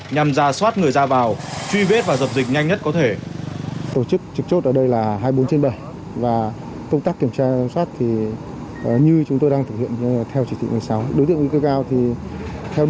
nhằm ra soát người ra vào truy vết và dập dịch nhanh nhất có thể chốt